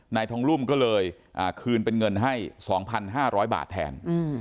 นายทองรุ่มก็เลยคืนเป็นเงินให้๒๕๐๐บาทแทน